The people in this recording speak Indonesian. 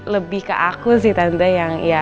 lebih ke aku sih tante yang ya